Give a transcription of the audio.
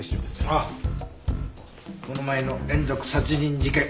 ああこの前の連続殺人事件。